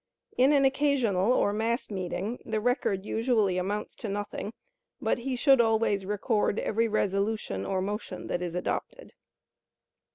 In an occasional or mass meeting, the record usually amounts to nothing, but he should always record every resolution or motion that is adopted.